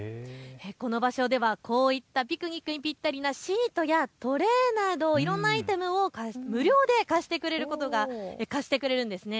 この場所ではこういったピクニックにぴったりなシートやトレーなどいろんなアイテムを無料で貸してくれるんです。